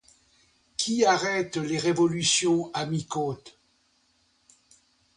Qui arrête les révolutions à mi-côte?